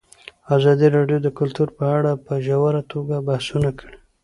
ازادي راډیو د کلتور په اړه په ژوره توګه بحثونه کړي.